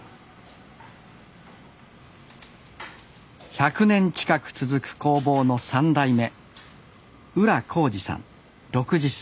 １００年近く続く工房の３代目